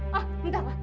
hah bentar pak